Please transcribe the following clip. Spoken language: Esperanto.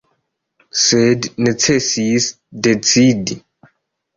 Sed necesis decidi.